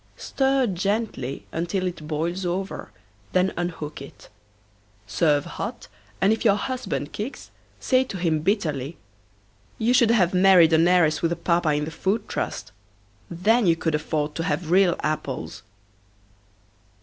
Stir gently until it boils over then unhook it. Serve hot and if your husband kicks say to him bitterly: "You should have married an heiress with a Papa in the Food Trust then you could afford to have real apples!"